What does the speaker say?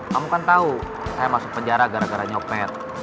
kamu kan tahu saya masuk penjara gara gara nyopet